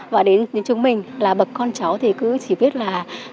và đến chúng mình là bậc con cháu thì cứ chỉ biết là